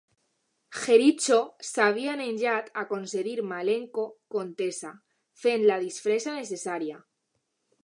Jericho s'havia negat a concedir Malenko contesa, fent la disfressa necessària.